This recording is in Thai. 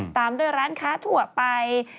ตามโดยร้านค้าถั่วไป